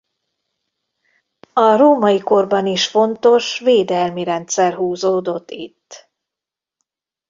A római korban is fontos védelmi rendszer húzódott itt.